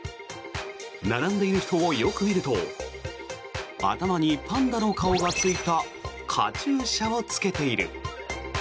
並んでいる人をよく見ると頭に、パンダの顔がついたカチューシャを着けている。